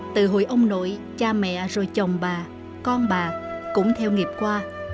từ hội ông nội cha mẹ rồi chồng bà con bà cũng theo nghiệp qua